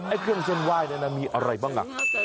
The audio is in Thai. ไอ้เครื่องเส้นไหว้เนี่ยมีอะไรบ้างกัน